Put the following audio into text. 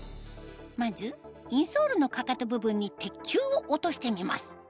まずインソールのかかと部分に鉄球を落としてみます